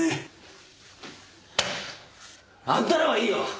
あんたらはいいよ！